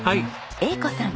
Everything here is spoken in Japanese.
栄子さん